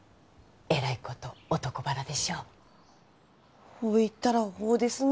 えらいこと男腹でしょほいたらほうですね